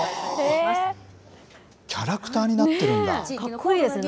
けれキャラクターになってるんだ。